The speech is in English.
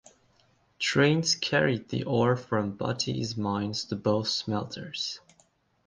Trains carried the ore from Butte's mines to both smelters.